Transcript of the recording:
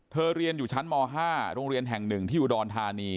เรียนอยู่ชั้นม๕โรงเรียนแห่ง๑ที่อุดรธานี